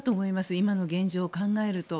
今の現状を考えると。